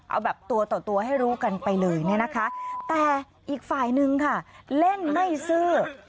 เอาแบบตัวต่อตัวให้รู้กันไปเลยเนี่ยนะคะแต่อีกฝ่ายนึงค่ะเล่นไม่ซื้อ